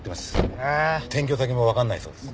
転居先もわかんないそうです。